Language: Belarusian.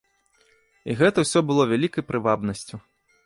І гэта ўсё было вялікай прывабнасцю.